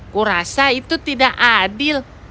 kurasa itu tidak adil